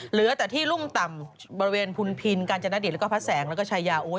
เหลือแต่ที่รุ่มต่ำบริเวณพุนพินกาญจนเดชแล้วก็พระแสงแล้วก็ชายาโอ๊ย